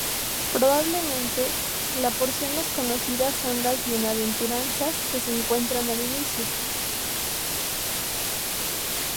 Probablemente, la porción más conocida son las Bienaventuranzas que se encuentran al inicio.